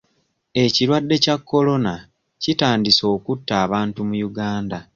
Ekirwadde kya Corona kitandise okutta abantu mu Uganda.